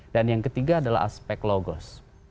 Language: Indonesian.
dan yang ketiga adalah aspek logos